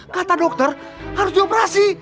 kata dokter harus dioperasi